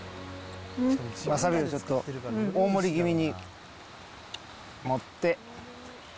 わさびをちょっと大盛り気味に盛って。